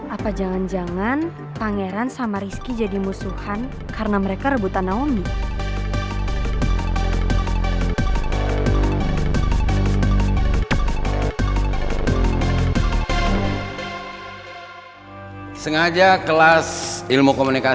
apa jangan jangan pangeran sama rizky jadi musuhan karena mereka rebutan naomi